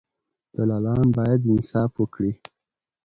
دلالان باید انصاف وکړي.